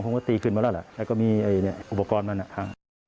เพราะว่าตีขึ้นมาแล้วแล้วก็มีอุปกรณ์มันพัง